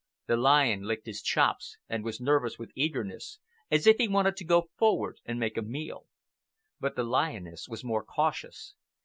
The lion licked his chops and was nervous with eagerness, as if he wanted to go forward and make a meal. But the lioness was more cautious.